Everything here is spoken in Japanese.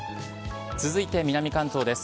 続いて南関東です。